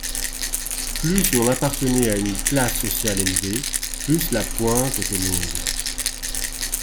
Plus l'on appartenait à une classe sociale élevée, plus la pointe était longue.